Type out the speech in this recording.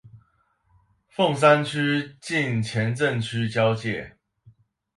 鳳山區近前鎮區交界